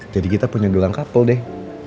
jadi kita punya gelang couple deh